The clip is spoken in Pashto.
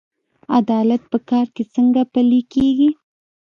عدالت په کار کې څنګه پلی کیږي؟